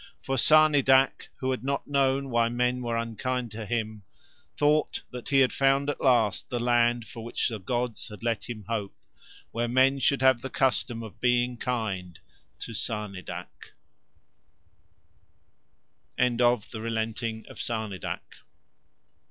For Sarnidac, who had not known why men were unkind to him, thought that he had found at last the land for which the gods had let him hope, where men should have the custom of being kind to Sarnidac.